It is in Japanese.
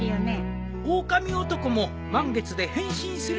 オオカミ男も満月で変身するというしのう。